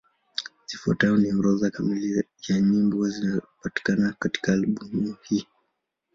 Zifuatazo ni orodha kamili ya nyimbo zinapatikana katika albamu hii.